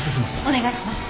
お願いします。